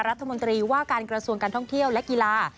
รัฐมนตรีว่าการกระทรวงการท่องเที่ยวและกีฬา